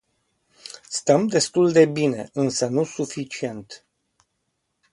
Stăm destul de bine, însă nu suficient.